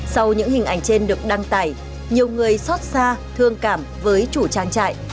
sau những hình ảnh trên được đăng tải nhiều người xót xa thương cảm với chủ trang trại